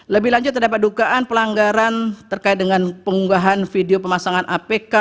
lebih lanjut terdapat dugaan pelanggaran terkait dengan pengunggahan video pemasangan apk